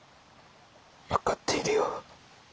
分かっているよ。